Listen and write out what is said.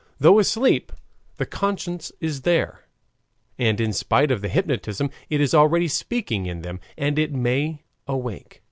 Though asleep, the conscience is there, and in spite of the hypnotism it is already speaking in them, and it may awake.